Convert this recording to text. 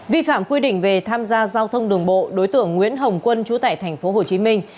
vi phạm quy định về tham gia giao thông đường bộ đối tượng nguyễn hồng quân chú tải tp hồ chí minh